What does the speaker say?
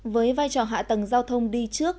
với vai trò hạ tầng giao thông đi trước